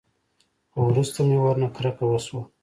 خو وروسته مې ورنه کرکه وسوه.